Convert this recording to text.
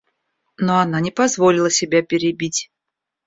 Но она не позволила себя перебить.